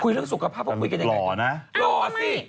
คุยเรื่องสุขภาพกับคุยกันอย่างไร